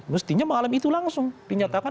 mestinya mengalami itu langsung dinyatakan